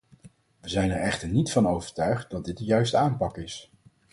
We zijn er echter niet van overtuigd dat dit de juiste aanpak is.